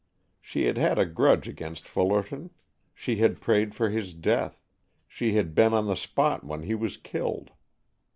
She had had a grudge against Fullerton, she had prayed for his death, she had been on the spot when he was killed.